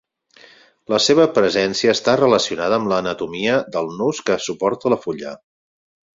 La seva presència està relacionada amb l'anatomia del nus que suporta la fulla.